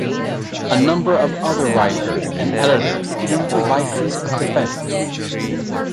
A number of other writers and editors came to Vice's defense.